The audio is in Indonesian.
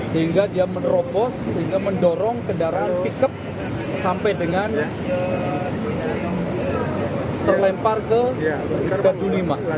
sehingga dia menerobos sehingga mendorong kendaraan pickup sampai dengan terlempar ke batu lima